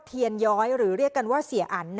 เทียนย้อยหรือเรียกกันว่าเสียอัน